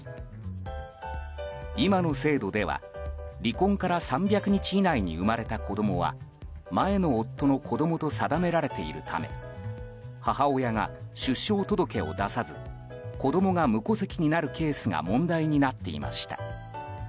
今の制度では、離婚から３００日以内に生まれた子供は前の夫の子供と定められているため母親が出生届を出さず子供が無戸籍になるケースが問題になっていました。